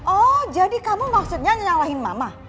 oh jadi kamu maksudnya ngenyalahin mama